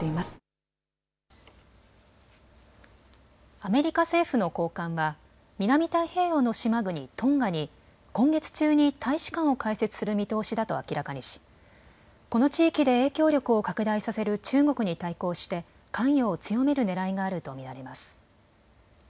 アメリカ政府の高官は南太平洋の島国トンガに今月中に大使館を開設する見通しだと明らかにしこの地域で影響力を拡大させる中国に対抗して関与を強めるねらいがあると見られます。